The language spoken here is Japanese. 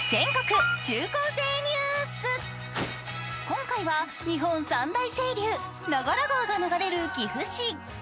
今回は日本３大清流、長良川が流れる岐阜市。